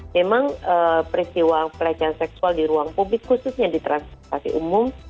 memang peristiwa pelecehan seksual di ruang publik khususnya di transportasi umum